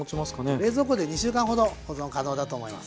冷蔵庫で２週間ほど保存可能だと思います。